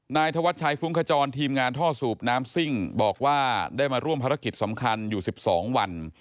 นายธวัชชัยฟุ้งขจรทีมงานท่อสูบน้ำซิ่งบอกว่าได้มาร่วมภารกิจสำคัญอยู่๑๒วัน